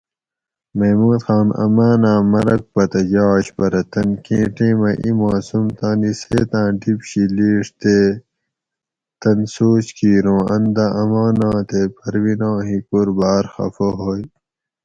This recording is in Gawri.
محمود خان اماناۤں مرگ پتہ یاش پرہ تن کیں ٹیمہ ایں معصوم تانی سیتاۤں ڈِیب شی لِیڛ تے تن سوچ کیر اُوں ان دہ اماناں تے پرویناں ہِکور باۤر خفہ ہوئے